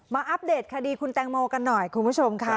อัปเดตคดีคุณแตงโมกันหน่อยคุณผู้ชมค่ะ